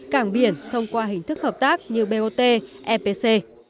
cảng biển thông qua hình thức hợp tác như bot epc